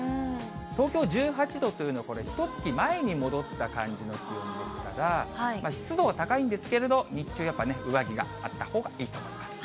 東京１８度というのはこれ、ひとつき前に戻った感じの気温ですから、湿度は高いんですけれど、日中、やっぱね、上着があったほうがいいと思います。